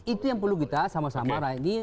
itu yang perlu kita sama sama rakyat